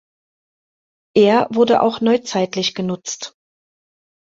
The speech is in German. Er wurde auch neuzeitlich genutzt.